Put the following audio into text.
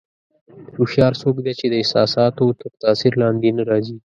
هوښیار څوک دی چې د احساساتو تر تاثیر لاندې نه راځي.